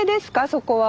そこは。